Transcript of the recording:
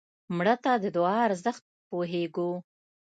مړه ته د دعا ارزښت پوهېږو